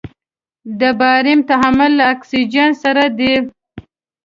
د باریم تعامل له اکسیجن سره دی.